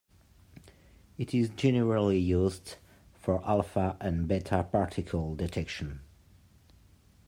It is generally used for alpha and beta particle detection.